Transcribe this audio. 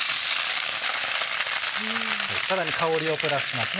さらに香りをプラスしますね。